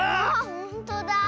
ほんとだ。